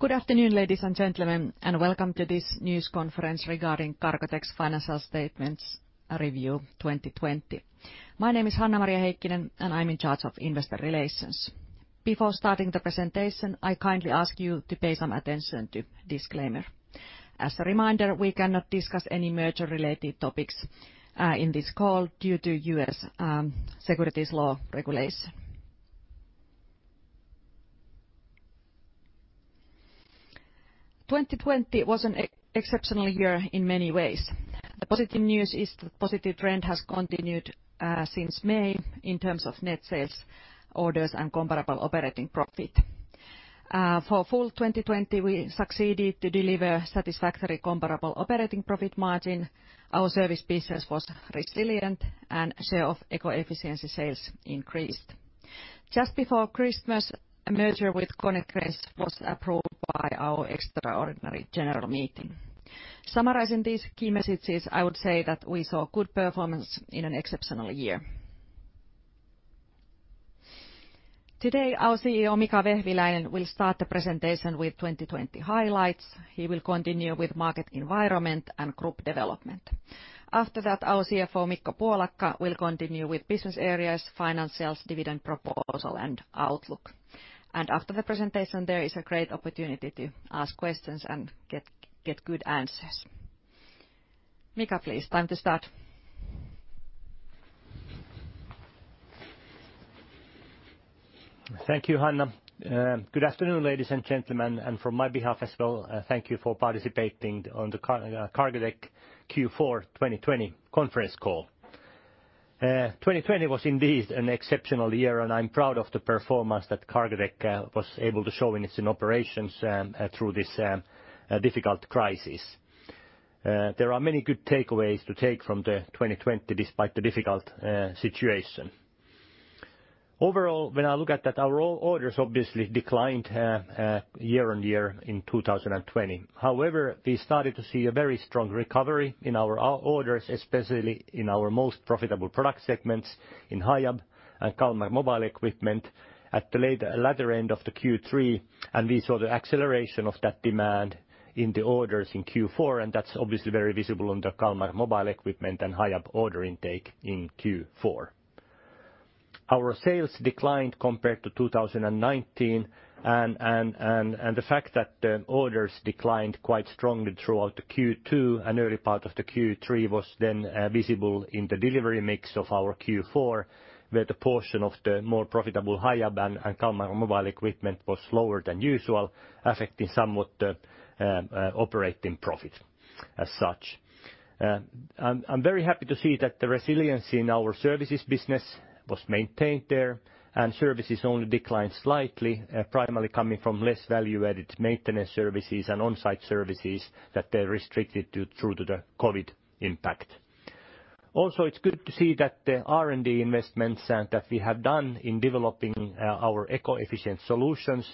Good afternoon, ladies and gentlemen, welcome to this news conference regarding Cargotec's financial statements review 2020. My name is Hanna-Maria Heikkinen, I'm in charge of investor relations. Before starting the presentation, I kindly ask you to pay some attention to disclaimer. As a reminder, we cannot discuss any merger-related topics in this call due to U.S. securities law regulations. 2020 was an exceptional year in many ways. The positive news is the positive trend has continued since May in terms of net sales, orders, and comparable operating profit. For full 2020, we succeeded to deliver satisfactory comparable operating profit margin. Our service business was resilient, sale of eco-efficiency sales increased. Just before Christmas, a merger with Konecranes was approved by our extraordinary general meeting. Summarizing these key messages, I would say that we saw good performance in an exceptional year. Today, our CEO, Mika Vehviläinen, will start the presentation with 2020 highlights. He will continue with market environment and group development. After that, our CFO, Mikko Puolakka, will continue with business areas, financials, dividend proposal, and outlook. After the presentation, there is a great opportunity to ask questions and get good answers. Mika, please, time to start. Thank you, Hanna. Good afternoon, ladies and gentlemen, from my behalf as well, thank you for participating on the Cargotec Q4 2020 conference call. 2020 was indeed an exceptional year, I'm proud of the performance that Cargotec was able to show in its operations through this difficult crisis. There are many good takeaways to take from the 2020 despite the difficult situation. Overall, when I look at that, our orders obviously declined year-over-year in 2020. However, we started to see a very strong recovery in our orders, especially in our most profitable product segments in Hiab and Kalmar mobile equipment. At the latter end of the Q3, we saw the acceleration of that demand in the orders in Q4, that's obviously very visible on the Kalmar mobile equipment and Hiab order intake in Q4. Our sales declined compared to 2019, and the fact that the orders declined quite strongly throughout the Q2 and the early part of the Q3 was then visible in the delivery mix of our Q4, where the portion of the more profitable Hiab and Kalmar mobile equipment was lower than usual, affecting somewhat the operating profit as such. I'm very happy to see that the resilience in our services business was maintained there, and services only declined slightly, primarily coming from less value-added maintenance services and on-site services that they restricted through to the COVID impact. Also, it's good to see that the R&D investments that we have done in developing our eco-efficient solutions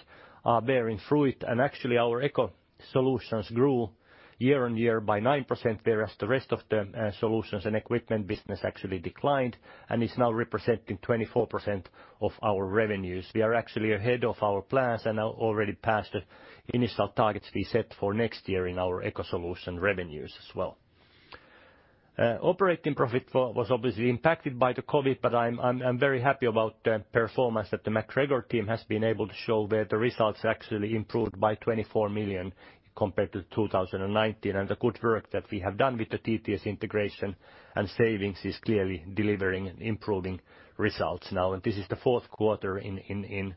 are bearing fruit. Actually, our eco solutions grew year-on-year by 9%, whereas the rest of the solutions and equipment business actually declined and is now representing 24% of our revenues. We are actually ahead of our plans and are already past the initial targets we set for next year in our eco solutions revenues as well. Operating profit was obviously impacted by the COVID, but I'm very happy about the performance that the MacGregor team has been able to show where the results actually improved by 24 million compared to 2019. The good work that we have done with the TTS integration and savings is clearly delivering and improving results now. This is the fourth quarter in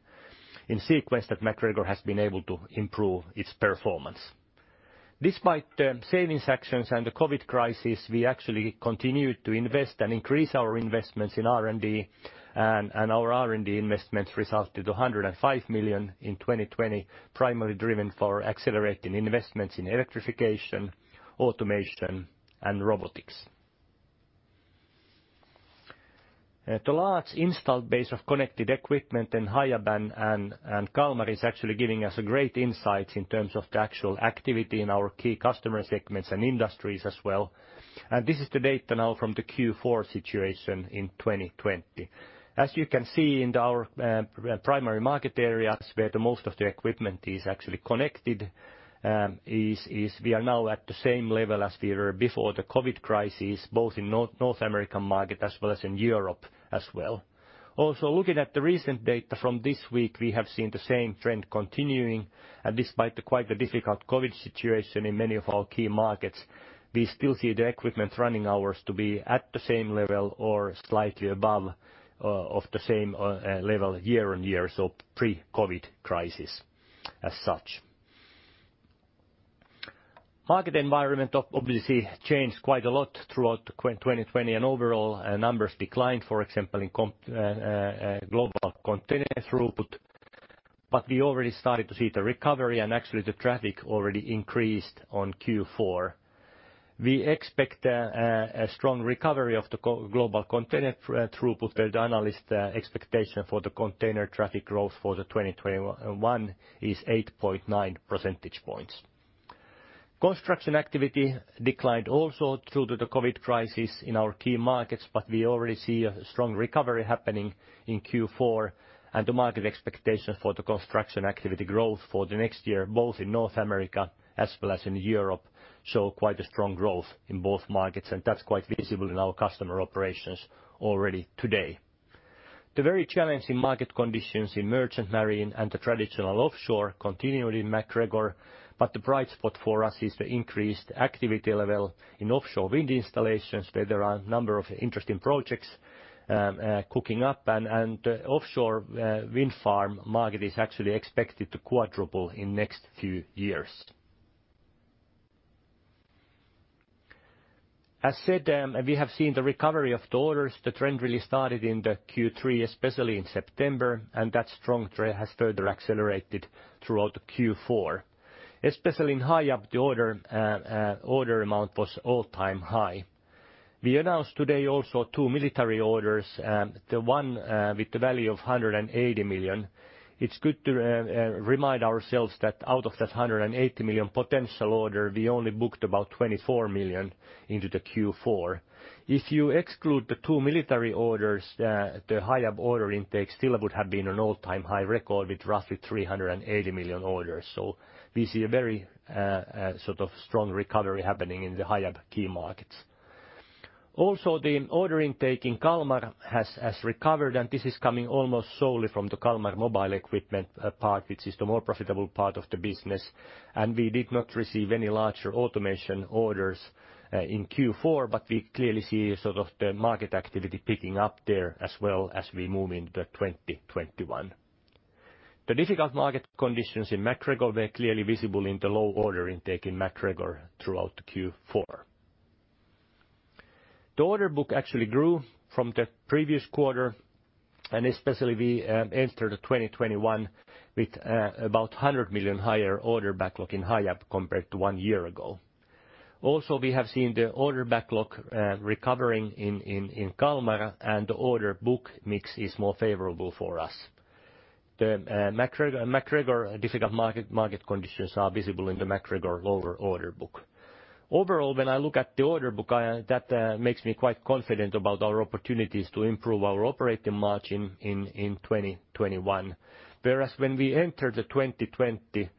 sequence that MacGregor has been able to improve its performance. Despite the savings actions and the COVID crisis, we actually continued to invest and increase our investments in R&D, and our R&D investments resulted to 105 million in 2020, primarily driven for accelerating investments in electrification, automation, and robotics. The large installed base of connected equipment in Hiab and Kalmar is actually giving us a great insight in terms of the actual activity in our key customer segments and industries as well. This is the data now from the Q4 situation in 2020. As you can see in our primary market areas where the most of the equipment is actually connected is we are now at the same level as we were before the COVID crisis, both in North American market as well as in Europe as well. Looking at the recent data from this week, we have seen the same trend continuing, and despite the quite difficult COVID situation in many of our key markets, we still see the equipment running hours to be at the same level or slightly above of the same level year-on-year, so pre-COVID crisis as such. Market environment obviously changed quite a lot throughout 2020, and overall, numbers declined, for example, in global container throughput, but we already started to see the recovery, and actually, the traffic already increased on Q4. We expect a strong recovery of the global container throughput where the analyst expectation for the container traffic growth for 2021 is 8.9 percentage points. Construction activity declined also due to the COVID crisis in our key markets, but we already see a strong recovery happening in Q4 and the market expectations for the construction activity growth for the next year, both in North America as well as in Europe, show quite a strong growth in both markets, and that's quite visible in our customer operations already today. The very challenging market conditions in Merchant Marine and the traditional offshore continued in MacGregor, but the bright spot for us is the increased activity level in offshore wind installations, where there are a number of interesting projects cooking up. The offshore wind farm market is actually expected to quadruple in next few years. As said, we have seen the recovery of the orders, the trend really started in the Q3, especially in September, and that strong trend has further accelerated throughout Q4. Especially in Hiab, the order amount was all-time high. We announced today also two military orders, the one with the value of 180 million. It's good to remind ourselves that out of that 180 million potential order, we only booked about 24 million into the Q4. If you exclude the two military orders, the Hiab order intake still would have been an all-time high record with roughly 380 million orders. We see a very strong recovery happening in the Hiab key markets. Also, the order intake in Kalmar has recovered, and this is coming almost solely from the Kalmar mobile equipment part, which is the more profitable part of the business. We did not receive any larger automation orders in Q4, but we clearly see the market activity picking up there as well as we move into 2021. The difficult market conditions in MacGregor were clearly visible in the low order intake in MacGregor throughout Q4. The order book actually grew from the previous quarter, and especially we entered 2021 with about 100 million higher order backlog in Hiab compared to one year ago. We have seen the order backlog recovering in Kalmar and the order book mix is more favorable for us. The MacGregor difficult market conditions are visible in the MacGregor lower order book. When I look at the order book, that makes me quite confident about our opportunities to improve our operating margin in 2021. When we entered the 2020,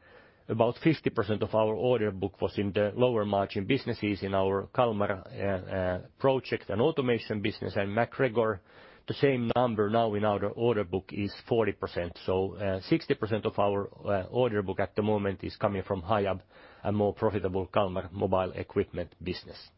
about 50% of our order book was in the lower margin businesses in our Kalmar project and automation business and MacGregor. The same number now in our order book is 40%. 60% of our order book at the moment is coming from Hiab, a more profitable Kalmar mobile equipment business.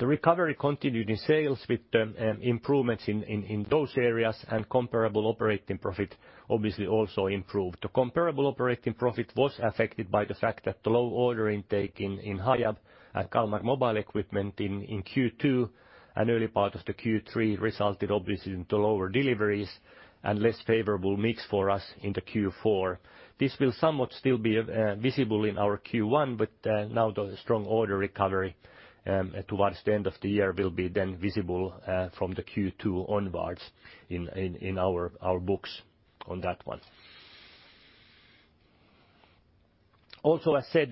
The recovery continued in sales with the improvements in those areas, and comparable operating profit obviously also improved. The comparable operating profit was affected by the fact that the low order intake in Hiab and Kalmar mobile equipment in Q2 and early part of the Q3 resulted obviously into lower deliveries and less favorable mix for us into Q4. This will somewhat still be visible in our Q1, but now the strong order recovery towards the end of the year will be then visible from the Q2 onwards in our books on that one. As said,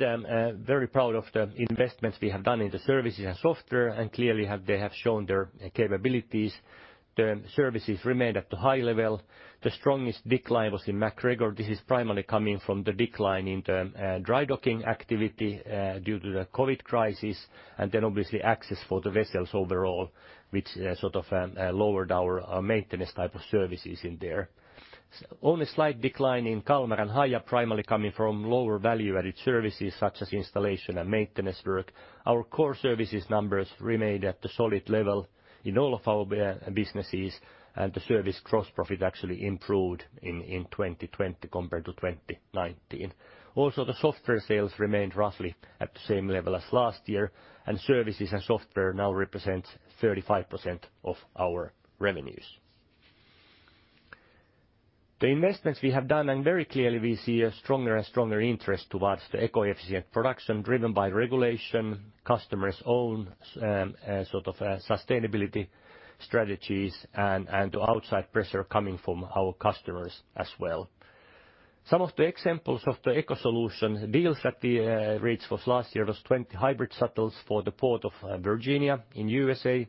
very proud of the investments we have done in the services and software, and clearly they have shown their capabilities. The services remained at the high level. The strongest decline was in MacGregor. This is primarily coming from the decline in the dry docking activity due to the COVID crisis, and then obviously access for the vessels overall, which lowered our maintenance type of services in there. Only slight decline in Kalmar and Hiab, primarily coming from lower value-added services such as installation and maintenance work. Our core services numbers remained at the solid level in all of our businesses, and the service gross profit actually improved in 2020 compared to 2019. The software sales remained roughly at the same level as last year, and services and software now represents 35% of our revenues. The investments we have done, and very clearly we see a stronger and stronger interest towards the eco-efficient production driven by regulation, customers' own sustainability strategies, and the outside pressure coming from our customers as well. Some of the examples of the eco solution deals that we reached last year was 20 hybrid shuttles for the Port of Virginia in U.S.A.,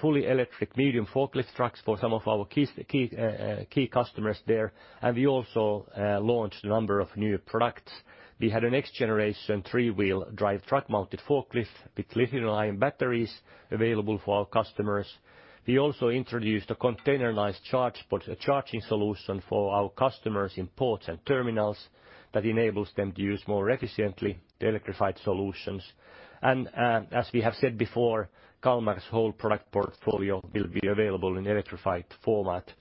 fully electric medium forklift trucks for some of our key customers there. We also launched a number of new products. We had a next-generation three-wheel drive truck-mounted forklift with lithium-ion batteries available for our customers. We also introduced a containerized charge port charging solution for our customers in ports and terminals that enables them to use more efficiently the electrified solutions. As we have said before, Kalmar's whole product portfolio will be available in electrified format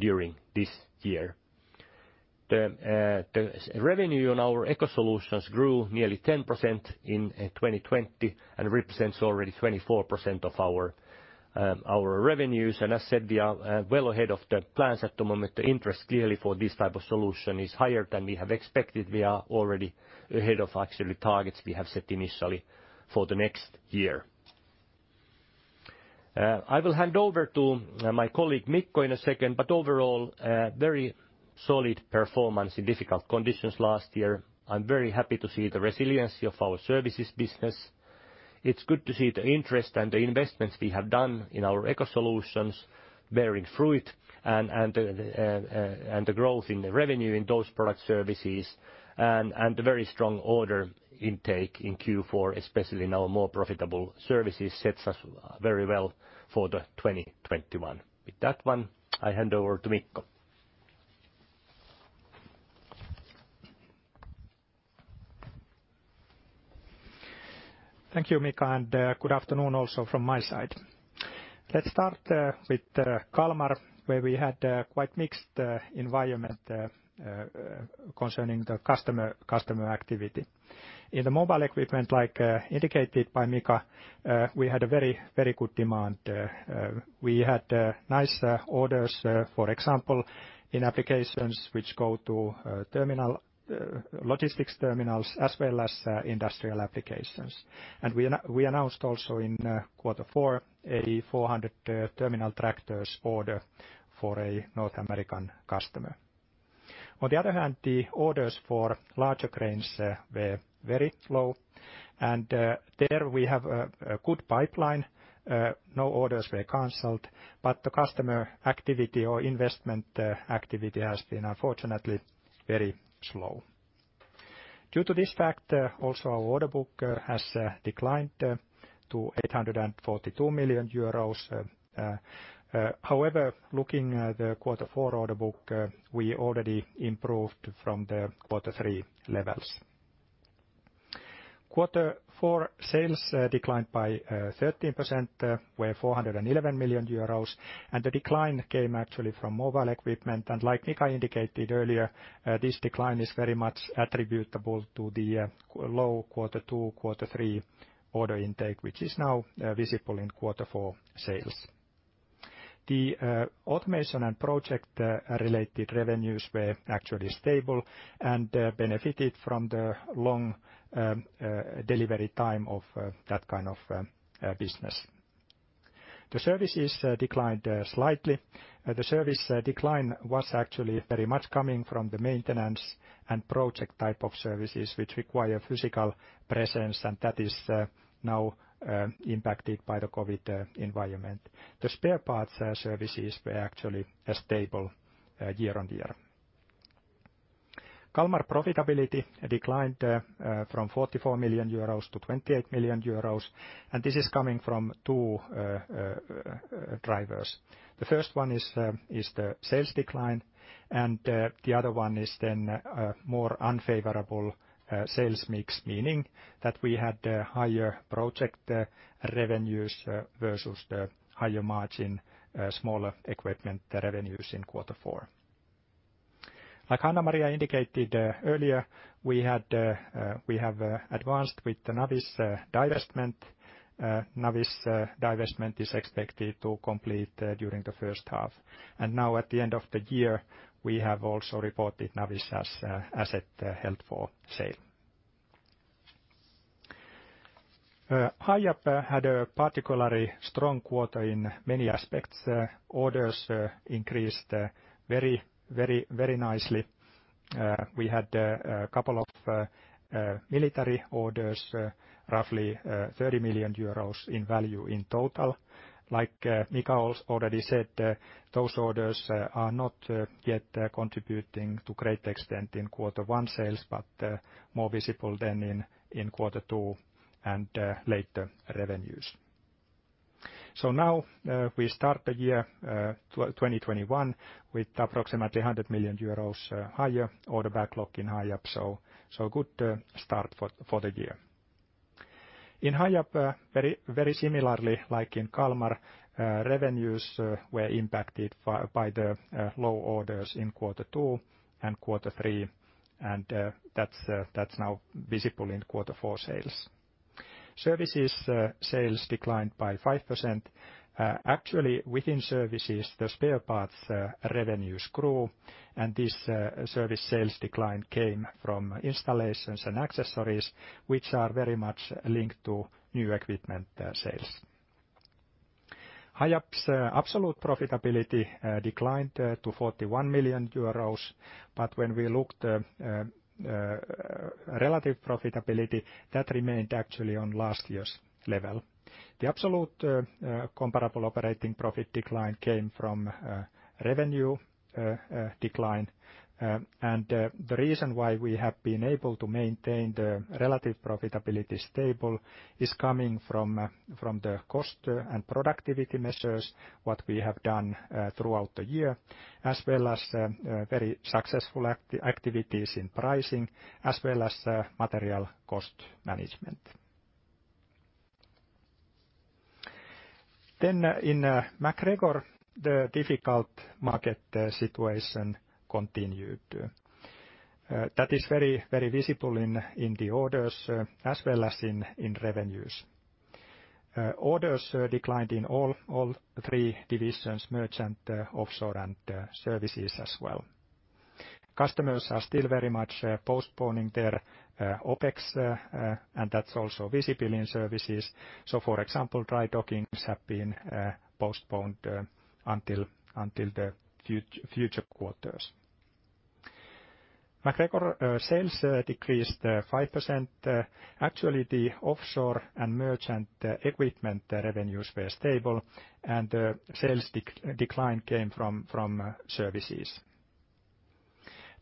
during this year. The revenue on our eco solutions grew nearly 10% in 2020 and represents already 24% of our revenues. As said, we are well ahead of the plans at the moment. The interest clearly for this type of solution is higher than we have expected. We are already ahead of actually targets we have set initially for the next year. I will hand over to my colleague Mikko in a second, but overall, very solid performance in difficult conditions last year. I'm very happy to see the resiliency of our services business. It's good to see the interest and the investments we have done in our eco solutions bearing fruit and the growth in the revenue in those product services and the very strong order intake in Q4, especially in our more profitable services, sets us very well for 2021. With that one, I hand over to Mikko. Thank you, Mika. Good afternoon also from my side. Let's start with Kalmar, where we had a quite mixed environment concerning the customer activity. In the mobile equipment, like indicated by Mika, we had a very, very good demand. We had nice orders, for example, in applications which go to logistics terminals, as well as industrial applications. We announced also in quarter four a 400 terminal tractors order for a North American customer. On the other hand, the orders for larger cranes were very slow, and there we have a good pipeline. No orders were canceled, but the customer activity or investment activity has been unfortunately very slow. Due to this factor, also our order book has declined to 842 million euros. However, looking at the quarter four order book, we already improved from the quarter three levels. Quarter four sales declined by 13%, were 411 million euros, the decline came actually from mobile equipment. Like Mika indicated earlier, this decline is very much attributable to the low quarter two, quarter three order intake, which is now visible in quarter four sales. The automation and project-related revenues were actually stable and benefited from the long delivery time of that kind of business. The services declined slightly. The service decline was actually very much coming from the maintenance and project type of services, which require physical presence, and that is now impacted by the COVID environment. The spare parts services were actually stable year on year. Kalmar profitability declined from 44 million euros to 28 million euros, this is coming from two drivers. The first one is the sales decline, and the other one is then a more unfavorable sales mix, meaning that we had higher project revenues versus the higher margin smaller equipment revenues in quarter four. Like Hanna-Maria indicated earlier, we have advanced with the Navis divestment. Navis divestment is expected to complete during the first half. Now at the end of the year, we have also reported Navis as asset held for sale. Hiab had a particularly strong quarter in many aspects. Orders increased very nicely. We had a couple of military orders, roughly 30 million euros in value in total. Like Mika already said, those orders are not yet contributing to great extent in quarter one sales, but more visible than in quarter two and later revenues. Now we start the year 2021 with approximately 100 million euros higher order backlog in Hiab. A good start for the year. In Hiab, very similarly like in Kalmar, revenues were impacted by the low orders in quarter two and quarter three, and that's now visible in quarter four sales. Services sales declined by 5%. Actually, within services, the spare parts revenues grew, and this service sales decline came from installations and accessories, which are very much linked to new equipment sales. Hiab's absolute profitability declined to 41 million euros, but when we looked at relative profitability, that remained actually on last year's level. The absolute comparable operating profit decline came from revenue decline. The reason why we have been able to maintain the relative profitability stable is coming from the cost and productivity measures, what we have done throughout the year, as well as very successful activities in pricing as well as material cost management. In MacGregor, the difficult market situation continued. That is very visible in the orders as well as in revenues. Orders declined in all three divisions, merchant, offshore, and services as well. Customers are still very much postponing their OpEx, and that's also visibility services. For example, dry dockings have been postponed until the future quarters. MacGregor sales decreased 5%. Actually, the offshore and merchant equipment revenues were stable and the sales decline came from services.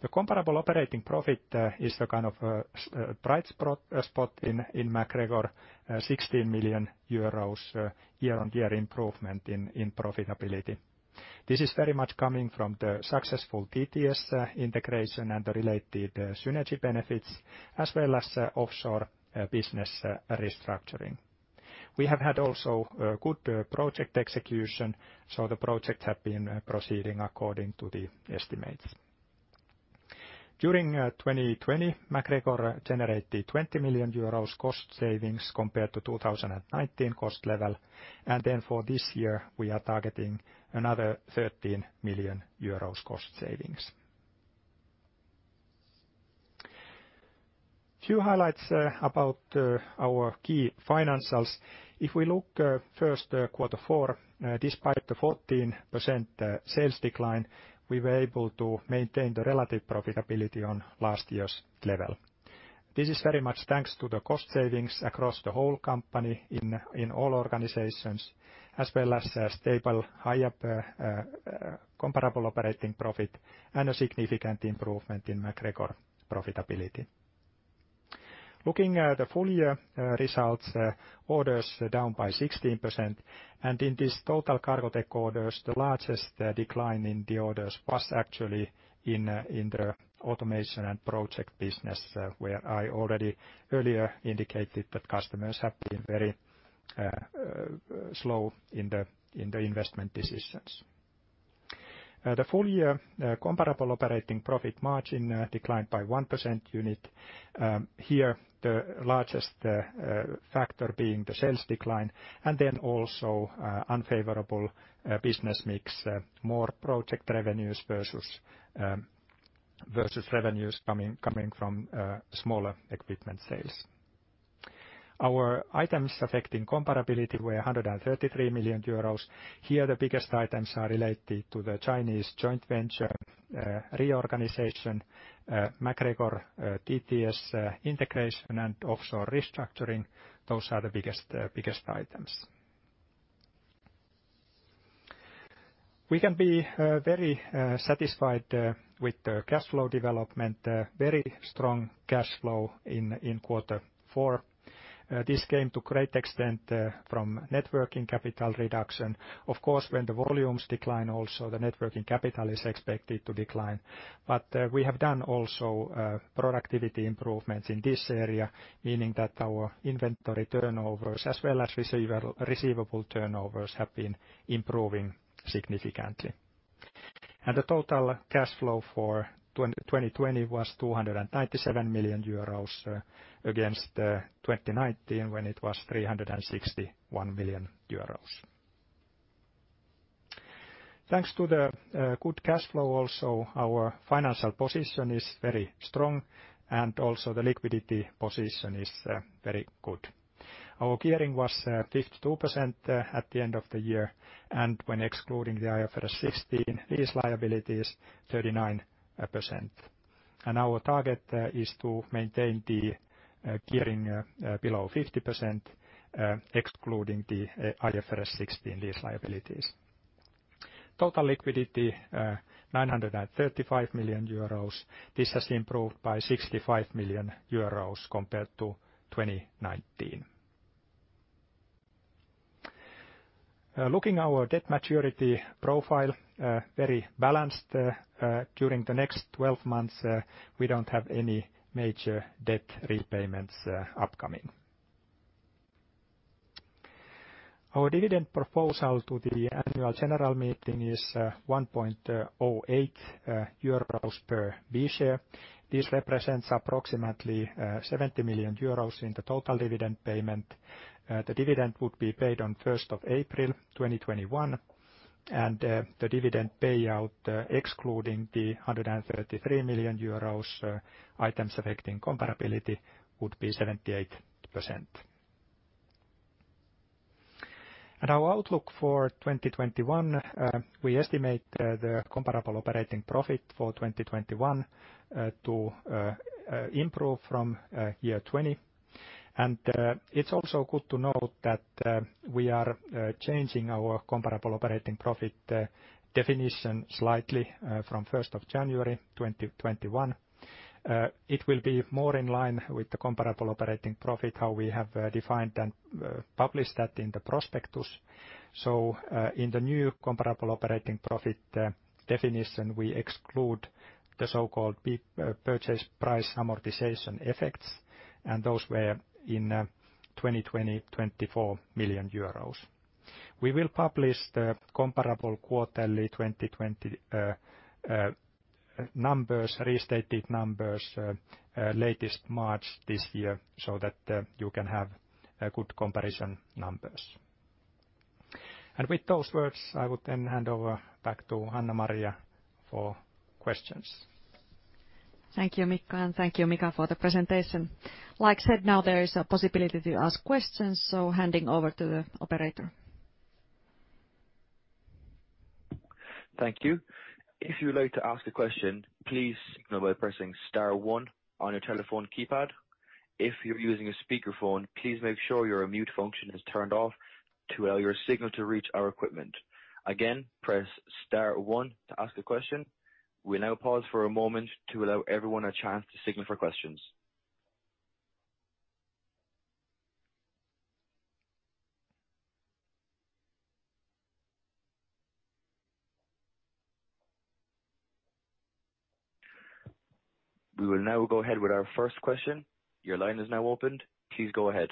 The comparable operating profit is a kind of a bright spot in MacGregor, 16 million euros year-on-year improvement in profitability. This is very much coming from the successful TTS integration and the related synergy benefits, as well as offshore business restructuring. We have had also good project execution, the projects have been proceeding according to the estimates. During 2020, MacGregor generated 20 million euros cost savings compared to 2019 cost level. For this year, we are targeting another 13 million euros cost savings. Few highlights about our key financials. First Q4, despite the 14% sales decline, we were able to maintain the relative profitability on last year's level. This is very much thanks to the cost savings across the whole company in all organizations, as well as stable Hiab comparable operating profit and a significant improvement in MacGregor profitability. Looking at the full year results, orders down by 16%. In this total Cargotec orders, the largest decline in the orders was actually in the automation and project business, where I already earlier indicated that customers have been very slow in the investment decisions. The full year comparable operating profit margin declined by 1% unit. The largest factor being the sales decline and also unfavorable business mix, more project revenues versus revenues coming from smaller equipment sales. Our items affecting comparability were 133 million euros. The biggest items are related to the Chinese joint venture reorganization, MacGregor TTS integration and offshore restructuring. Those are the biggest items. We can be very satisfied with the cash flow development. Very strong cash flow in quarter four. This came to great extent from net working capital reduction. Of course, when the volumes decline also, the net working capital is expected to decline. We have done also productivity improvements in this area, meaning that our inventory turnovers as well as receivable turnovers have been improving significantly. The total cash flow for 2020 was 297 million euros against 2019 when it was 361 million euros. Thanks to the good cash flow also, our financial position is very strong and also the liquidity position is very good. Our gearing was 52% at the end of the year, when excluding the IFRS 16, lease liability is 39%. Our target is to maintain the gearing below 50%, excluding the IFRS 16 lease liabilities. Total liquidity, 935 million euros. This has improved by 65 million euros compared to 2019. Looking our debt maturity profile, very balanced. During the next 12 months, we don't have any major debt repayments upcoming. Our dividend proposal to the annual general meeting is 1.08 euros per B share. This represents approximately 70 million euros in the total dividend payment. The dividend would be paid on 1st of April 2021, the dividend payout, excluding the 133 million euros items affecting comparability, would be 78%. Our outlook for 2021, we estimate the comparable operating profit for 2021 to improve from year 2020. It's also good to note that we are changing our comparable operating profit definition slightly from 1st of January 2021. It will be more in line with the comparable operating profit, how we have defined and published that in the prospectus. In the new comparable operating profit definition, we exclude the so-called purchase price amortization effects, and those were in 2020, 24 million euros. We will publish the comparable quarterly 2020 numbers, restated numbers, latest March this year, so that you can have good comparison numbers. With those words, I would then hand over back to Hanna-Maria for questions. Thank you, Mikko, and thank you, Mika, for the presentation. Like I said, now there is a possibility to ask questions, so handing over to the operator. Thank you. If you would like to ask a question, please signal by pressing star one on your telephone keypad. If you're using a speakerphone, please make sure your mute function is turned off to allow your signal to reach our equipment. Again, press star one to ask a question. We'll now pause for a moment to allow everyone a chance to signal for questions. We will now go ahead with our first question. Your line is now opened. Please go ahead.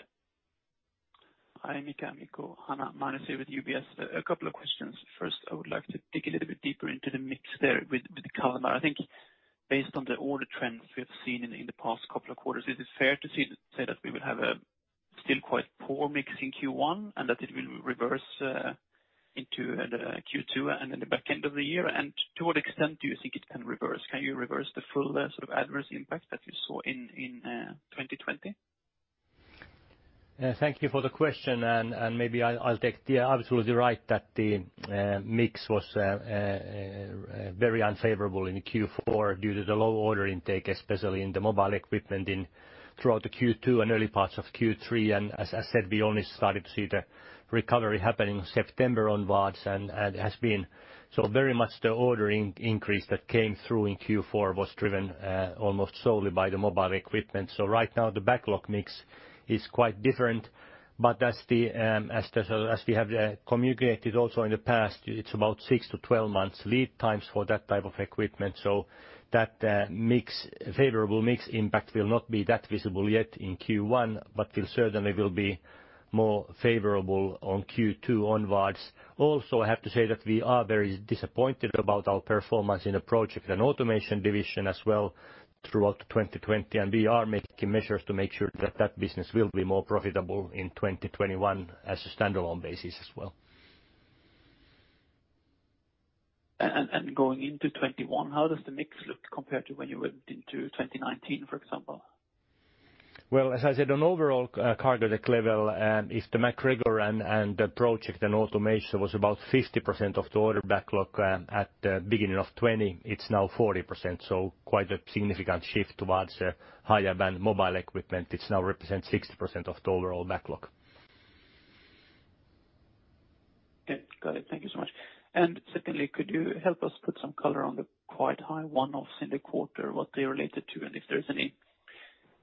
Hi, Mika, Mikko, Hanna. Magnus with UBS. A couple of questions. First, I would like to dig a little bit deeper into the mix there with Kalmar. I think based on the order trends we have seen in the past couple of quarters, is it fair to say that we will have a still quite poor mix in Q1, and that it will reverse into the Q2 and then the back end of the year? To what extent do you think it can reverse? Can you reverse the full adverse impact that you saw in 2020? Thank you for the question. You are absolutely right, that the mix was very unfavorable in Q4 due to the low order intake, especially in the mobile equipment throughout the Q2 and early parts of Q3. As I said, we only started to see the recovery happen in September onwards, it has been so very much the order increase that came through in Q4 was driven almost solely by the mobile equipment. Right now the backlog mix is quite different, but as we have communicated also in the past, it's about 6-12 months lead times for that type of equipment. That favorable mix impact will not be that visible yet in Q1, but will certainly be more favorable on Q2 onwards. I have to say that we are very disappointed about our performance in the project and automation division as well throughout 2020, and we are making measures to make sure that that business will be more profitable in 2021 as a standalone basis as well. Going into 2021, how does the mix look compared to when you went into 2019, for example? As I said, on overall Cargotec level, if the MacGregor and the project and automation was about 50% of the order backlog at the beginning of 2020, it's now 40%. Quite a significant shift towards higher band mobile equipment. It now represents 60% of the overall backlog. Okay, got it. Thank you so much. Secondly, could you help us put some color on the quite high one-offs in the quarter, what they're related to, and if there's any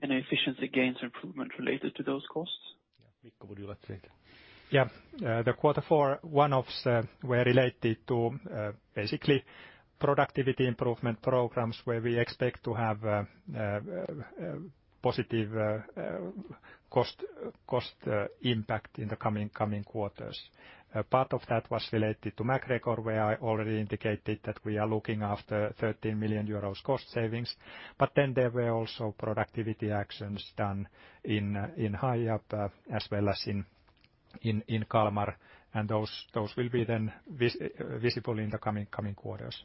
efficiency gains improvement related to those costs? Mika, would you like to take that? Yeah. The Q4 one-offs were related to basically productivity improvement programs where we expect to have positive cost impact in the coming quarters. Part of that was related to MacGregor, where I already indicated that we are looking after 13 million euros cost savings. There were also productivity actions done in Hiab as well as in Kalmar, and those will be then visible in the coming quarters.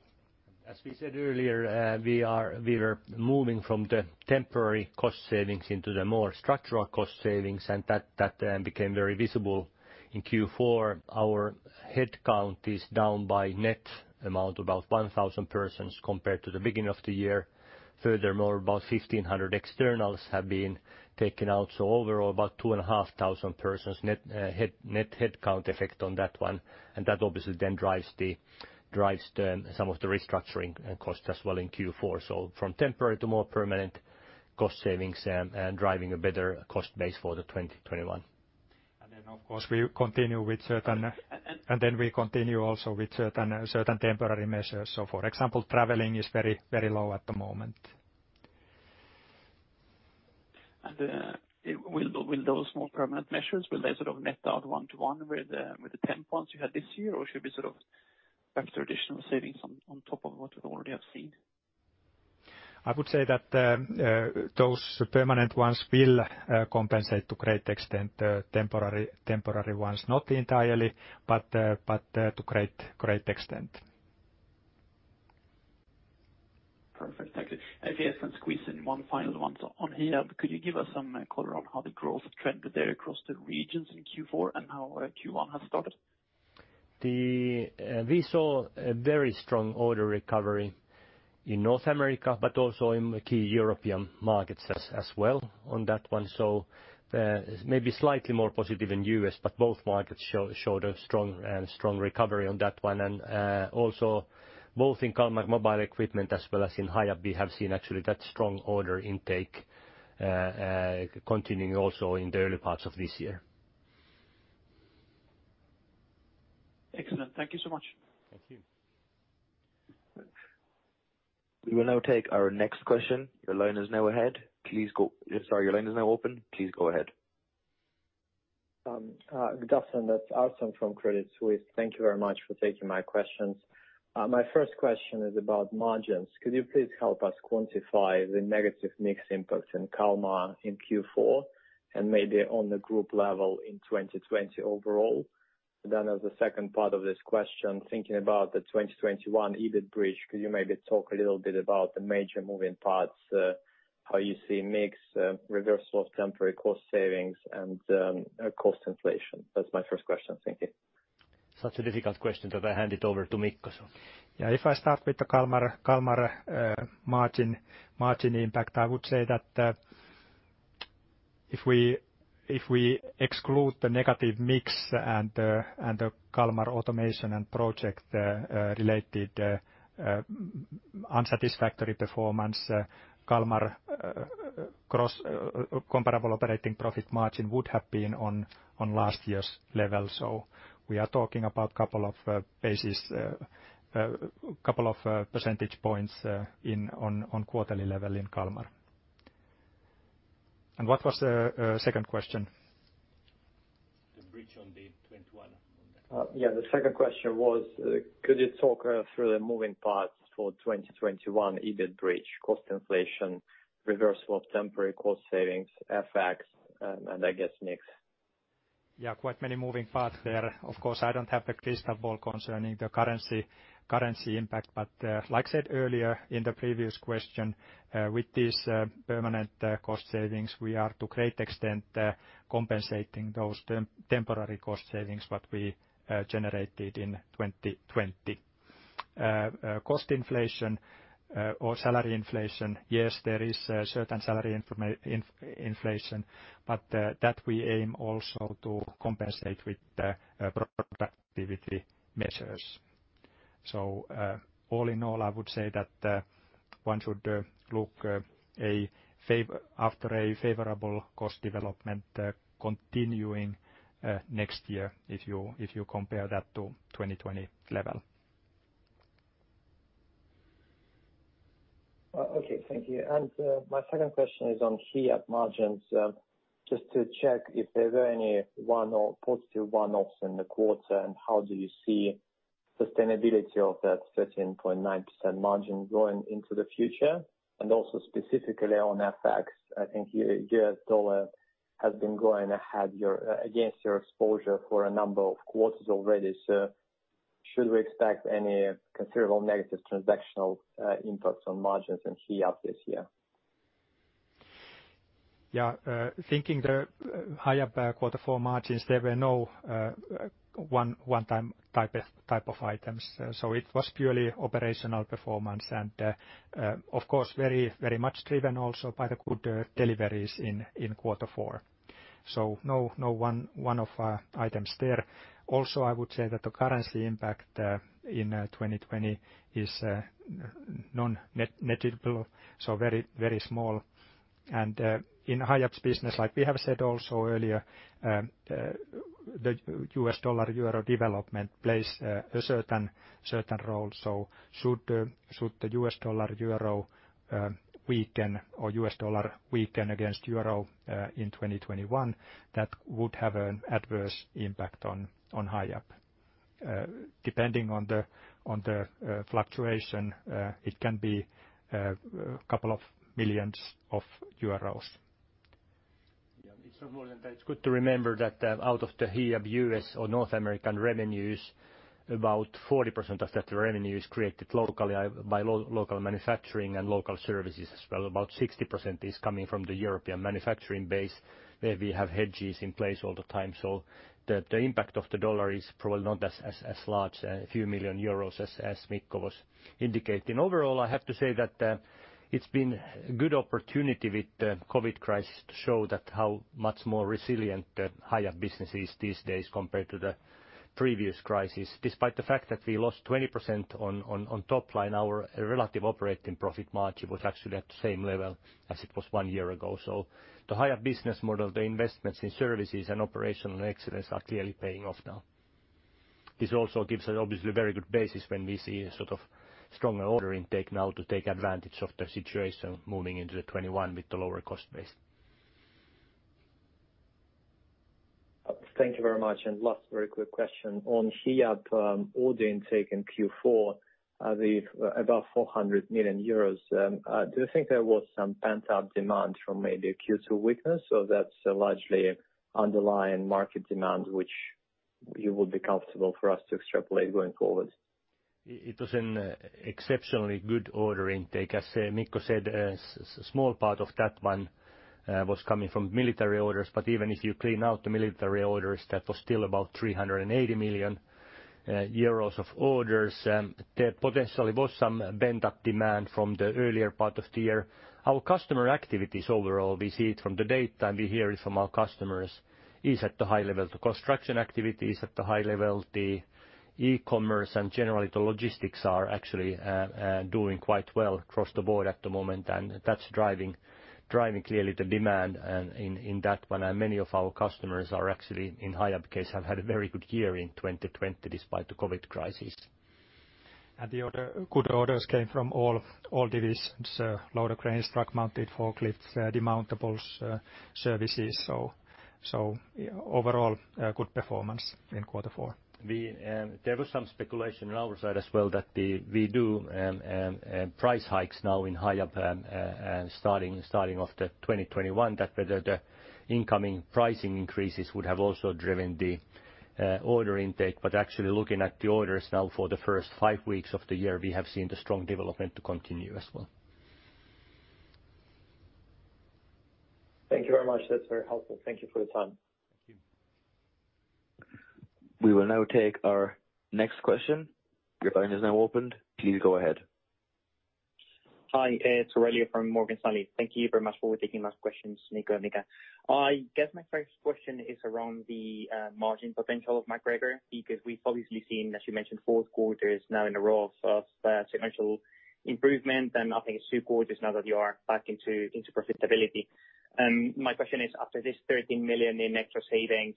As we said earlier, we were moving from the temporary cost savings into the more structural cost savings. That then became very visible in Q4. Our head count is down by net amount about 1,000 persons compared to the beginning of the year. Furthermore, about 1,500 externals have been taken out. Overall, about 2,500 persons net head count effect on that one. That obviously then drives some of the restructuring cost as well in Q4. From temporary to more permanent cost savings and driving a better cost base for 2021. We continue also with certain temporary measures. For example, traveling is very, very low at the moment. Will those more permanent measures, will they net out one to one with the temp ones you had this year, or should we sort of perhaps traditional savings on top of what we already have seen? I would say that those permanent ones will compensate to great extent the temporary ones. Not entirely, but to great extent. Perfect. Thank you. If I can squeeze in one final one. On Hiab, could you give us some color on how the growth trend there across the regions in Q4 and how Q1 has started? We saw a very strong order recovery in North America, but also in key European markets as well on that one. Maybe slightly more positive in U.S., but both markets showed a strong recovery on that one. Also both in Kalmar mobile equipment as well as in Hiab, we have seen actually that strong order intake continuing also in the early parts of this year. Excellent. Thank you so much. Thank you. We will now take our next question. Your line is now open. Please go ahead. Goodafternoon, that's Arsène from Credit Suisse. Thank you very much for taking my questions. My first question is about margins. Could you please help us quantify the negative mix impact in Kalmar in Q4, and maybe on the group level in 2020 overall? As the second part of this question, thinking about the 2021 EBIT bridge, could you maybe talk a little bit about the major moving parts, how you see mix, reversal of temporary cost savings, and cost inflation? That's my first question. Thank you. Such a difficult question that I hand it over to Mikko. Yeah. If I start with the Kalmar margin impact, I would say that if we exclude the negative mix and the Kalmar automation and project-related unsatisfactory performance, Kalmar comparable operating profit margin would have been on last year's level. We are talking about a couple of percentage points on quarterly level in Kalmar. What was the second question? The bridge on the 21. Yeah, the second question was, could you talk through the moving parts for 2021 EBIT bridge, cost inflation, reversal of temporary cost savings, FX, and I guess mix. Yeah, quite many moving parts there. Of course, I don't have a crystal ball concerning the currency impact, but like I said earlier in the previous question, with these permanent cost savings, we are to a great extent compensating those temporary cost savings that we generated in 2020. Cost inflation or salary inflation, yes, there is a certain salary inflation, but that we aim also to compensate with productivity measures. All in all, I would say that one should look after a favorable cost development continuing next year if you compare that to 2020 level. Okay. Thank you. My second question is on Hiab margins, just to check if there were any positive one-offs in the quarter, and how do you see sustainability of that 13.9% margin going into the future? Also specifically on FX, I think U.S. dollar has been going against your exposure for a number of quarters already. Should we expect any considerable negative transactional impacts on margins in Hiab this year? Yeah. Thinking the higher quarter four margins, there were no one time type of items. It was purely operational performance and of course very much driven also by the good deliveries in quarter four. No one-off items there. Also, I would say that the currency impact in 2020 is non-negligible, so very, very small. In Hiab's business, like we have said also earlier, the U.S. dollar-euro development plays a certain role. Should the U.S. dollar weaken against euro in 2021, that would have an adverse impact on Hiab. Depending on the fluctuation, it can be a couple of millions of euros. It's good to remember that out of the Hiab U.S. or North American revenues, about 40% of that revenue is created locally by local manufacturing and local services as well. About 60% is coming from the European manufacturing base, where we have hedges in place all the time. The impact of the dollar is probably not as large, a few million euro as Mikko was indicating. Overall, I have to say that it's been a good opportunity with the COVID crisis to show how much more resilient the Hiab business is these days compared to the previous crisis. Despite the fact that we lost 20% on top line, our relative operating profit margin was actually at the same level as it was one year ago. The Hiab business model, the investments in services and operational excellence are clearly paying off now. This also gives us obviously a very good basis when we see a sort of stronger order intake now to take advantage of the situation moving into 2021 with the lower cost base. Thank you very much. Last very quick question. On Hiab order intake in Q4, the above 400 million euros, do you think there was some pent-up demand from maybe a Q2 weakness? That's largely underlying market demand, which you would be comfortable for us to extrapolate going forward. It was an exceptionally good order intake. As Mikko said, a small part of that one was coming from military orders, but even if you clean out the military orders, that was still about 380 million euros of orders. There potentially was some pent-up demand from the earlier part of the year. Our customer activities overall, we see it from the data and we hear it from our customers, is at the high level. The construction activity is at the high level. The e-commerce and generally the logistics are actually doing quite well across the board at the moment, and that's driving clearly the demand in that one. Many of our customers are actually, in Hiab case, have had a very good year in 2020 despite the COVID crisis. The good orders came from all divisions, loader cranes, truck mounted forklifts, demountables services. Overall, good performance in quarter four. There was some speculation on our side as well that we do price hikes now in Hiab starting off the 2021, whether the incoming pricing increases would have also driven the order intake. Actually looking at the orders now for the first five weeks of the year, we have seen the strong development to continue as well. Thank you very much. That is very helpful. Thank you for the time. Thank you. We will now take our next question. Your line is now opened. Please go ahead. Hi, it's Aurelio from Morgan Stanley. Thank you very much for taking my questions, Mikko and Mika. I guess my first question is around the margin potential of MacGregor, because we've obviously seen, as you mentioned, four quarters now in a row of sequential improvement, and I think it's two quarters now that you are back into profitability. My question is, after this 13 million in extra savings,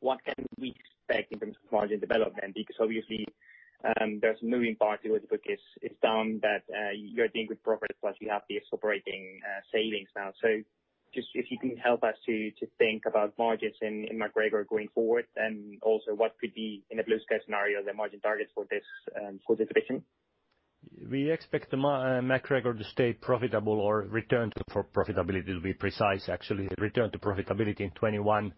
what can we expect in terms of margin development? Obviously, there's moving parts with the book is down that you're dealing with profits, plus you have the operating savings now. Just if you can help us to think about margins in MacGregor going forward, and also what could be in a blue sky-scenario, the margin targets for this division. We expect the MacGregor to stay profitable or return to profitability to be precise, actually, return to profitability in 2021.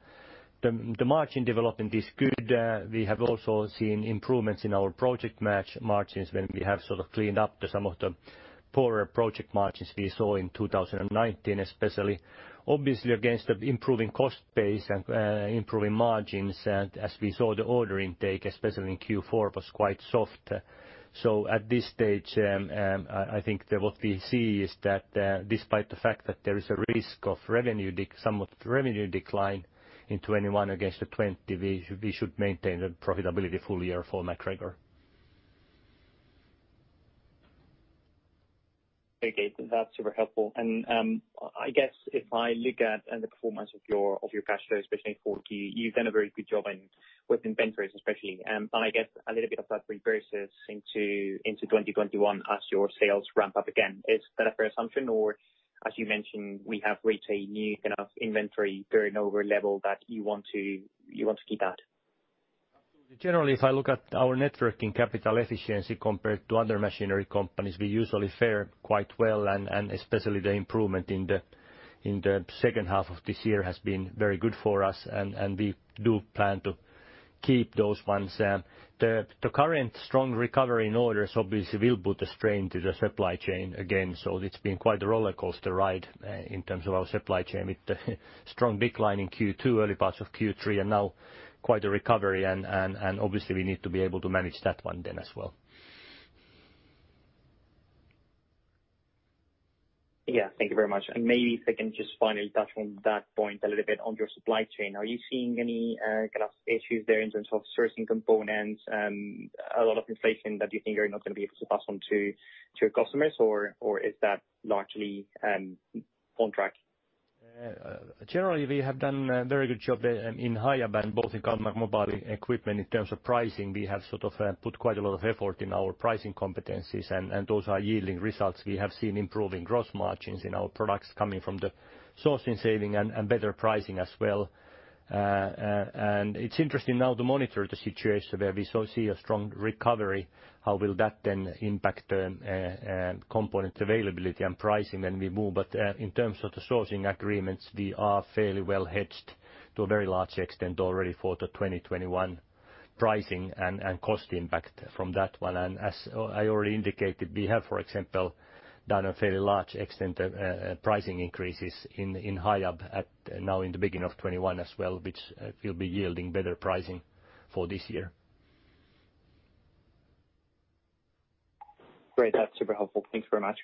The margin development is good. We have also seen improvements in our project margins when we have sort of cleaned up some of the poorer project margins we saw in 2019 especially. Against the improving cost base and improving margins. As we saw, the order intake, especially in Q4, was quite soft. At this stage, I think that what we see is that despite the fact that there is a risk of some of the revenue decline in 2021 against the trend, we should maintain the profitability full year for MacGregor. Okay. That's super helpful. I guess if I look at the performance of your cash flow, especially in 4Q, you've done a very good job with inventories, especially. I guess a little bit of that reverses into 2021 as your sales ramp up again. Is that a fair assumption? As you mentioned, we have reached a new kind of inventory turnover level that you want to keep at. Generally, if I look at our net working capital efficiency compared to other machinery companies, we usually fare quite well, and especially the improvement in the second half of this year has been very good for us, and we do plan to keep those ones. The current strong recovery in orders obviously will put a strain to the supply chain again. It's been quite a roller coaster ride in terms of our supply chain, with the strong decline in Q2, early parts of Q3, and now quite a recovery, and obviously we need to be able to manage that one then as well. Yeah. Thank you very much. Maybe if I can just finally touch on that point a little bit on your supply chain. Are you seeing any kind of issues there in terms of sourcing components? A lot of inflation that you think you're not going to be able to pass on to your customers? Is that largely on track? We have done a very good job in Hiab and both in Kalmar Mobile equipment in terms of pricing. We have sort of put quite a lot of effort in our pricing competencies, and those are yielding results. We have seen improving gross margins in our products coming from the sourcing saving and better pricing as well. It's interesting now to monitor the situation where we see a strong recovery. How will that then impact component availability and pricing when we move? In terms of the sourcing agreements, we are fairly well hedged to a very large extent already for the 2021 pricing and cost impact from that one. As I already indicated, we have, for example, done a fairly large extent of pricing increases in Hiab at now in the beginning of 2021 as well, which will be yielding better pricing for this year. Great. That's super helpful. Thanks very much.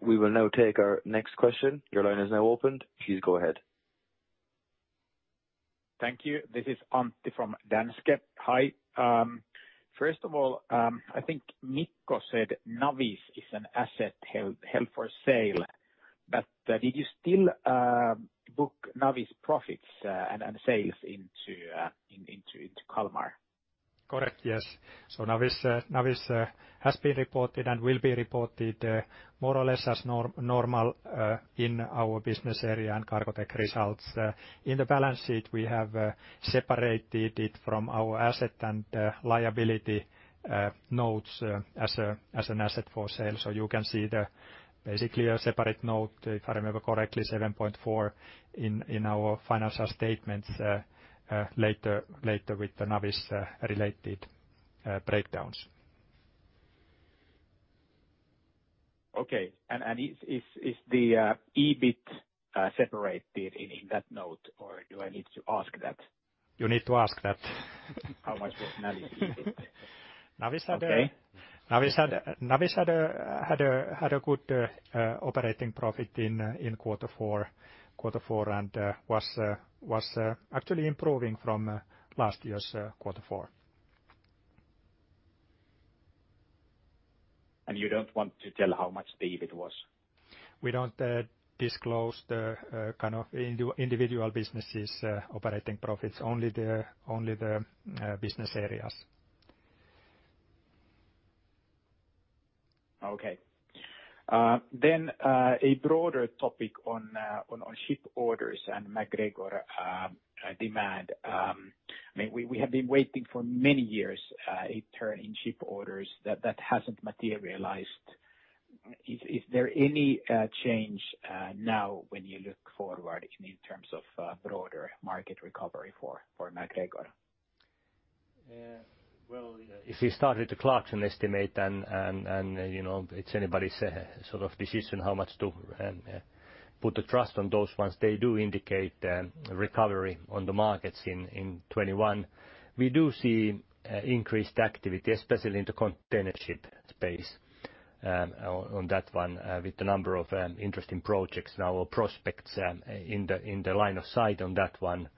We will now take our next question. Your line is now opened. Please go ahead. Thank you. This is Antti from Danske. Hi. First of all, I think Mikko said Navis is an asset held for sale. Did you still book Navis profits and sales into Kalmar? Correct. Yes. Navis has been reported and will be reported more or less as normal in our business area and Cargotec results. In the balance sheet, we have separated it from our asset and liability notes as an asset for sale. You can see basically a separate note, if I remember correctly, 7.4 in our financial statements later with the Navis-related breakdowns. Okay. Is the EBIT separated in that note, or do I need to ask that? You need to ask that. How much was Navis EBIT? Navis had. Okay Navis had a good operating profit in quarter four and was actually improving from last year's quarter four. You don't want to tell how much the EBIT was? We don't disclose the kind of individual businesses' operating profits, only the business areas. Okay. A broader topic on ship orders and MacGregor demand. We have been waiting for many years a turn in ship orders that hasn't materialized. Is there any change now when you look forward in terms of broader market recovery for MacGregor? Well, if you start with the Clarksons estimate and it's anybody's decision how much to put the trust on those ones, they do indicate recovery on the markets in 2021. We do see increased activity, especially in the container ship space on that one with the number of interesting projects now or prospects in the line of sight on that one.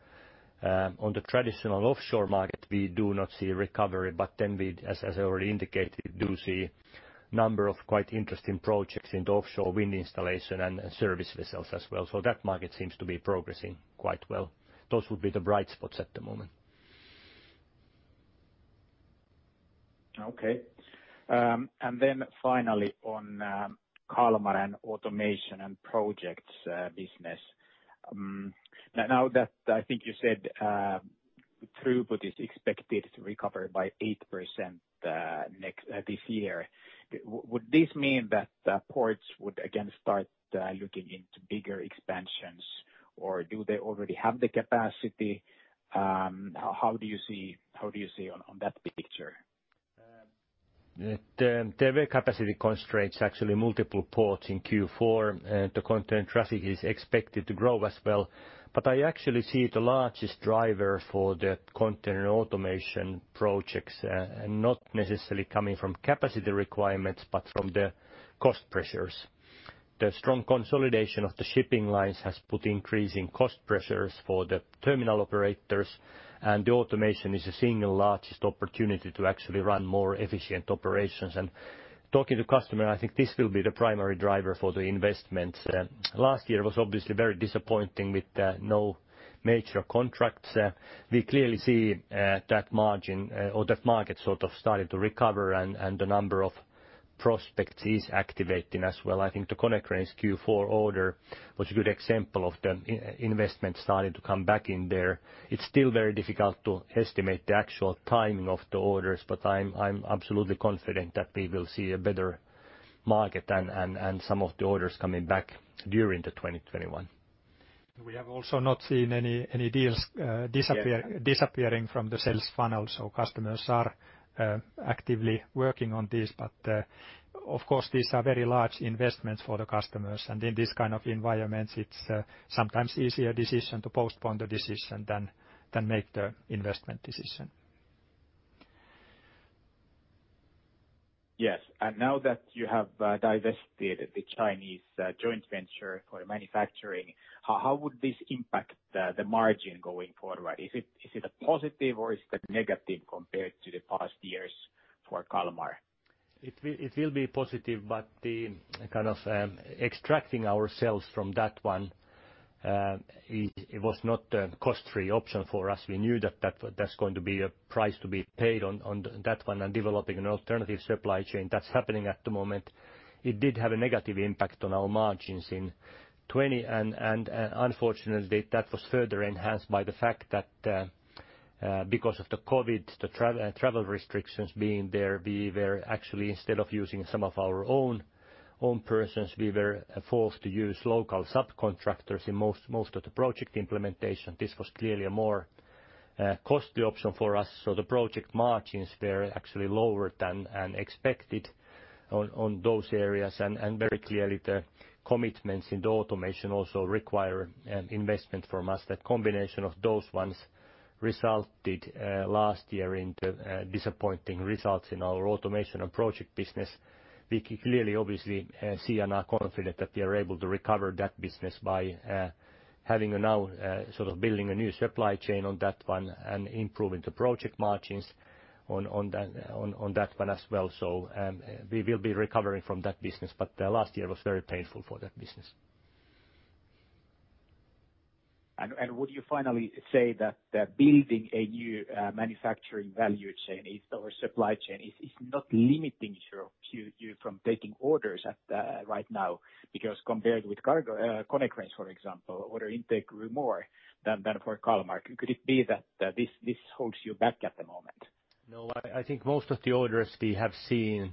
On the traditional offshore market, we do not see a recovery, but then we, as I already indicated, do see a number of quite interesting projects in the offshore wind installation and service vessels as well. That market seems to be progressing quite well. Those would be the bright spots at the moment. Okay. Finally on Kalmar and automation and projects business. Now that I think you said throughput is expected to recover by 8% this year. Would this mean that the ports would again start looking into bigger expansions? Or do they already have the capacity? How do you see on that picture? There were capacity constraints, actually multiple ports in Q4, the container traffic is expected to grow as well. I actually see the largest driver for the container automation projects, not necessarily coming from capacity requirements, but from the cost pressures. The strong consolidation of the shipping lines has put increasing cost pressures for the terminal operators, and the automation is the single largest opportunity to actually run more efficient operations. Talking to customer, I think this will be the primary driver for the investment. Last year was obviously very disappointing with no major contracts. We clearly see that margin or that market sort of starting to recover, and the number of prospects is activating as well. I think the Konecranes Q4 order was a good example of the investment starting to come back in there. It's still very difficult to estimate the actual timing of the orders. I'm absolutely confident that we will see a better market and some of the orders coming back during the 2021. We have also not seen any deals disappearing from the sales funnel. Customers are actively working on this. Of course, these are very large investments for the customers. In this kind of environment, it's sometimes easier decision to postpone the decision than make the investment decision. Yes. Now that you have divested the Chinese joint venture for manufacturing, how would this impact the margin going forward? Is it a positive or is it a negative compared to the past years for Kalmar? It will be positive, but the kind of extracting ourselves from that one it was not a cost-free option for us. We knew that that's going to be a price to be paid on that one and developing an alternative supply chain that's happening at the moment. It did have a negative impact on our margins in 2020. Unfortunately, that was further enhanced by the fact that because of the COVID, the travel restrictions being there, we were actually, instead of using some of our own persons, we were forced to use local subcontractors in most of the project implementation. This was clearly a more costly option for us. The project margins were actually lower than expected on those areas. Very clearly the commitments in the automation also require an investment from us. That combination of those ones resulted last year into disappointing results in our automation and project business. We clearly obviously see and are confident that we are able to recover that business by having now sort of building a new supply chain on that one and improving the project margins on that one as well. We will be recovering from that business. Last year was very painful for that business. Would you finally say that building a new manufacturing value chain or supply chain is not limiting you from taking orders right now? Compared with Konecranes, for example, order intake grew more than for Kalmar. Could it be that this holds you back at the moment? No, I think most of the orders we have seen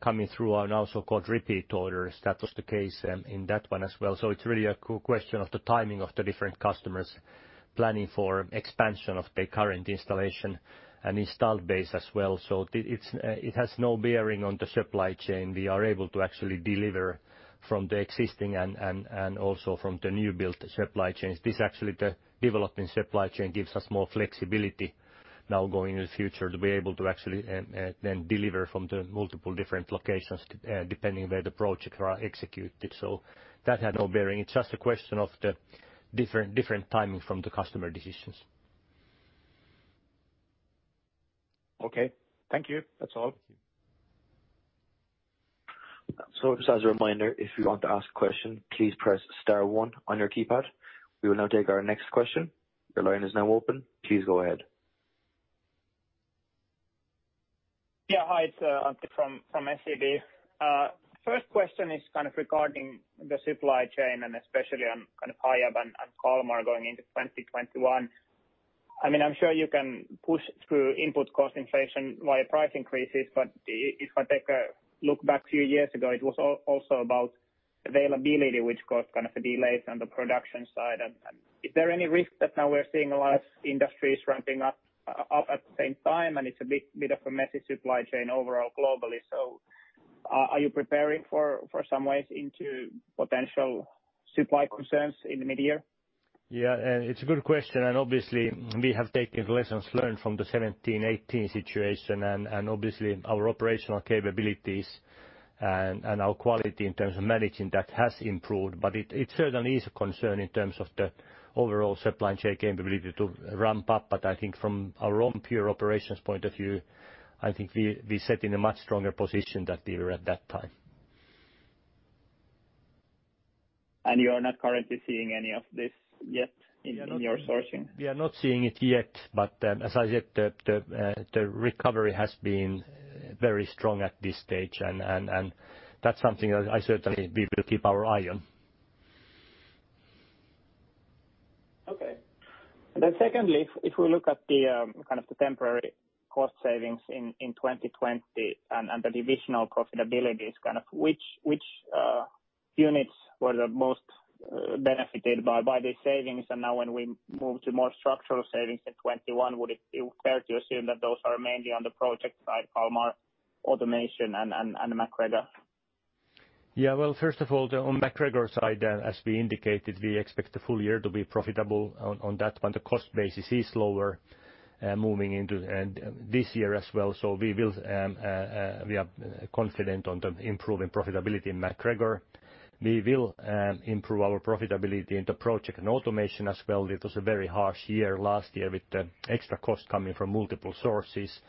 coming through are now so-called repeat orders. That was the case in that one as well. It's really a question of the timing of the different customers planning for expansion of their current installation and installed base as well. It has no bearing on the supply chain. We are able to actually deliver from the existing and also from the new built supply chains. This actually the developing supply chain gives us more flexibility now going into the future to be able to actually then deliver from the multiple different locations, depending where the projects are executed. That had no bearing. It's just a question of the different timing from the customer decisions. Okay. Thank you. That's all. Just as a reminder, if you want to ask a question, please press star one on your keypad. We will now take our next question. Your line is now open. Please go ahead. Yeah. Hi, it's Antti from SEB. First question is kind of regarding the supply chain and especially on kind of Hiab and Kalmar going into 2021. I'm sure you can push through input cost inflation via price increases, but if I take a look back few years ago, it was also about availability, which caused kind of the delays on the production side. Is there any risk that now we're seeing a lot of industries ramping up at the same time, and it's a bit of a messy supply chain overall globally. Are you preparing for some ways into potential supply concerns in the mid-year? Yeah, it's a good question. Obviously we have taken the lessons learned from the 2017, 2018 situation. Obviously our operational capabilities and our quality in terms of managing that has improved. It certainly is a concern in terms of the overall supply chain capability to ramp up. I think from our own pure operations point of view, I think we set in a much stronger position than we were at that time. You are not currently seeing any of this yet in your sourcing? We are not seeing it yet. As I said, the recovery has been very strong at this stage, and that's something that certainly we will keep our eye on. Okay. Secondly, if we look at the kind of temporary cost savings in 2020 and the divisional profitability, which units were the most benefited by the savings? Now when we move to more structural savings in 2021, would it be fair to assume that those are mainly on the project side, Kalmar, automation and MacGregor? Yeah. Well, first of all, on MacGregor side, as we indicated, we expect the full year to be profitable on that one. The cost basis is lower moving into this year as well. We are confident on the improving profitability in MacGregor. We will improve our profitability in the project and automation as well. It was a very harsh year last year with the extra cost coming from multiple sources.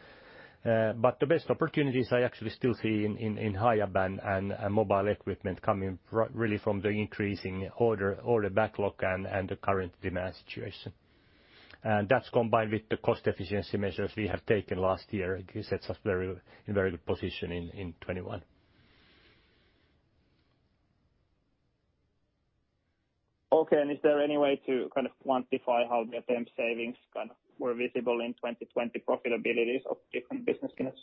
The best opportunities I actually still see in Hiab and mobile equipment coming really from the increasing order backlog and the current demand situation. That's combined with the cost efficiency measures we have taken last year. It sets us in a very good position in 2021. Okay. Is there any way to kind of quantify how the temp savings kind of were visible in 2020 profitabilities of different business units?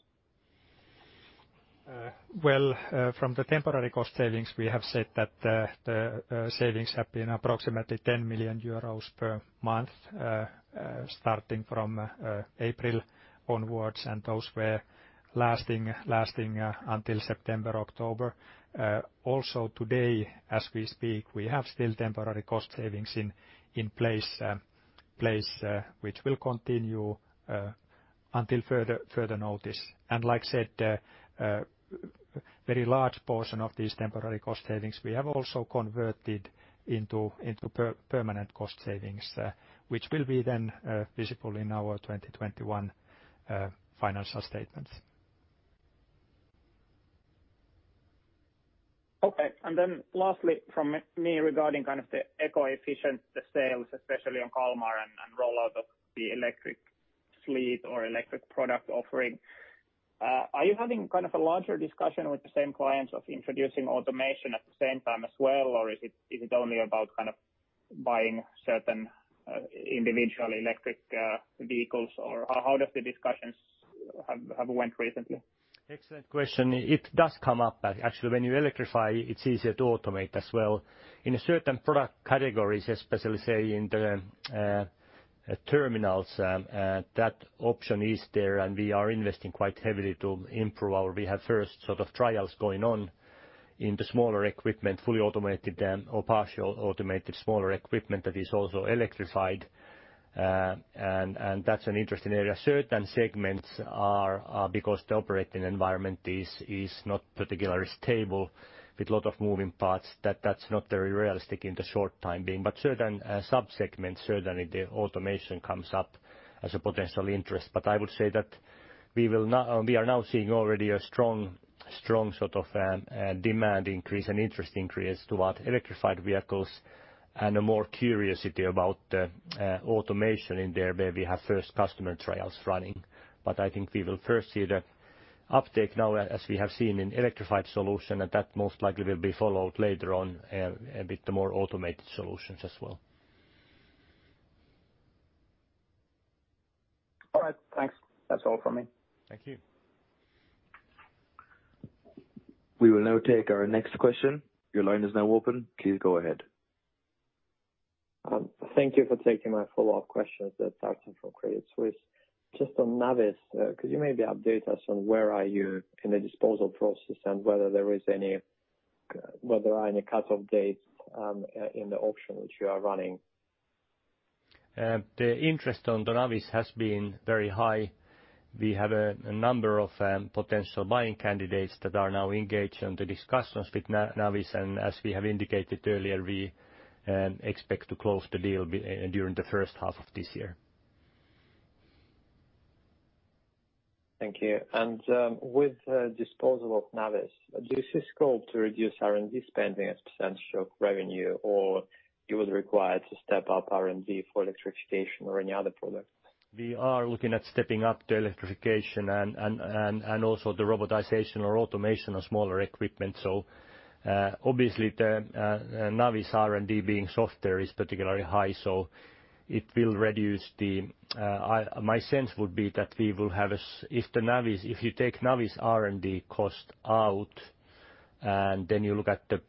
Well, from the temporary cost savings, we have said that the savings have been approximately 10 million euros per month, starting from April onwards, and those were lasting until September, October. Also today, as we speak, we have still temporary cost savings in place which will continue until further notice. Like I said, very large portion of these temporary cost savings we have also converted into permanent cost savings, which will be then visible in our 2021 financial statements. Okay. Lastly from me regarding kind of the eco-efficient sales, especially on Kalmar and rollout of the electric fleet or electric product offering. Are you having kind of a larger discussion with the same clients of introducing automation at the same time as well? Is it only about kind of buying certain individual electric vehicles? How does the discussions have went recently? Excellent question. It does come up, actually, when you electrify, it's easier to automate as well. In certain product categories, especially, say, in the terminals, that option is there, and we are investing quite heavily to improve. We have first sort of trials going on in the smaller equipment, fully automated or partial automated smaller equipment that is also electrified. That's an interesting area. Certain segments are, because the operating environment is not particularly stable with a lot of moving parts that's not very realistic in the short time being. Certain sub-segments, certainly the automation comes up as a potential interest. I would say that we are now seeing already a strong sort of demand increase and interest increase toward electrified vehicles and more curiosity about automation in there where we have first customer trials running. I think we will first see the uptake now as we have seen in electrified solution, and that most likely will be followed later on a bit the more automated solutions as well. All right. Thanks. That's all from me. Thank you. We will now take our next question. Your line is now open. Please go ahead. Thank you for taking my follow-up questions. That's Arsène from Credit Suisse. Just on Navis, could you maybe update us on where are you in the disposal process and whether there are any cut-off dates in the auction which you are running? The interest on the Navis has been very high. We have a number of potential buying candidates that are now engaged on the discussions with Navis. As we have indicated earlier, we expect to close the deal during the first half of this year. Thank you. With disposal of Navis, this is scope to reduce R&D spending as percent of revenue or you will require to step up R&D for electrification or any other product? We are looking at stepping up the electrification and also the robotization or automation of smaller equipment. Obviously, the Navis R&D being software is particularly high. My sense would be that we will have, if you take Navis R&D cost out and then you look at the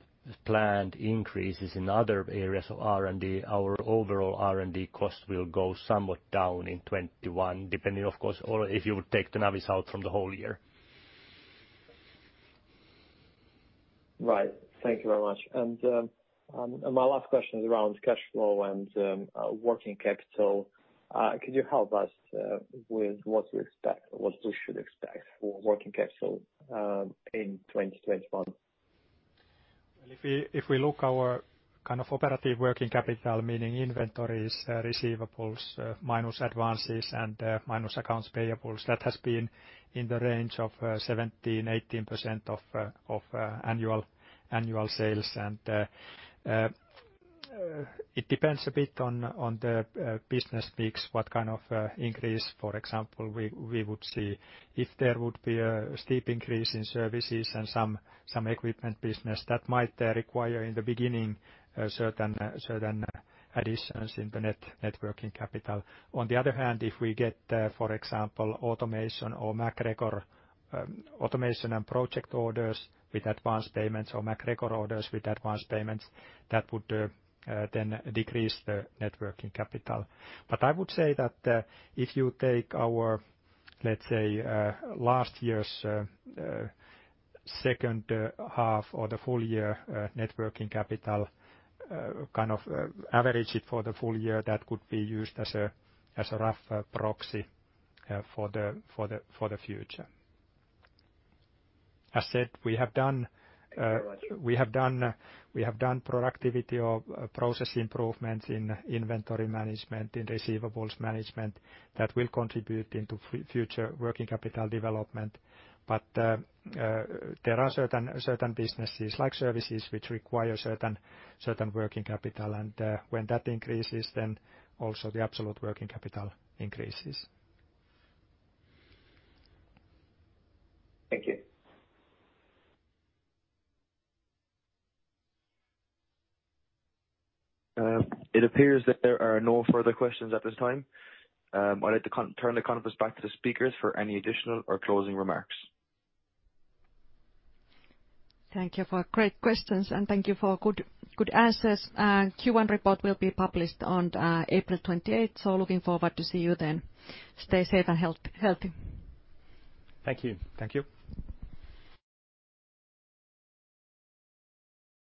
planned increases in other areas of R&D. Our overall R&D cost will go somewhat down in 2021, depending, of course, or if you would take the Navis out from the whole year. Right. Thank you very much. My last question is around cash flow and working capital. Could you help us with what we should expect for working capital in 2021? Well, if we look our kind of operative working capital, meaning inventories, receivables, minus advances and minus accounts payables, that has been in the range of 17%-18% of annual sales. It depends a bit on the business mix, what kind of increase, for example, we would see. If there would be a steep increase in services and some equipment business, that might require in the beginning certain additions in the net working capital. On the other hand, if we get, for example, automation or MacGregor automation and project orders with advanced payments or MacGregor orders with advanced payments, that would then decrease the net working capital. I would say that if you take our, let's say, last year's second half or the full year net working capital, kind of average it for the full year, that could be used as a rough proxy for the future. As said, we have done— Thank you very much. productivity or process improvements in inventory management, in receivables management, that will contribute into future working capital development. There are certain businesses, like services, which require certain working capital. When that increases, then also the absolute working capital increases. Thank you. It appears that there are no further questions at this time. I'd like to turn the conference back to the speakers for any additional or closing remarks. Thank you for great questions, thank you for good answers. Q1 report will be published on April 28th. Looking forward to see you then. Stay safe and healthy. Thank you. Thank you.